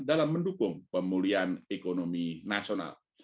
dalam mendukung pemulihan ekonomi nasional